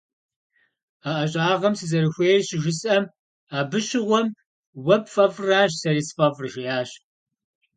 А ӀэщӀагъэм сызэрыхуейр щыжесӀэм, «абы щыгъуэм уэ пфӀэфӀращ сэри сфӀэфӀыр» жиӀащ.